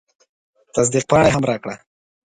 تصدیق پاڼه یې هم راکړه.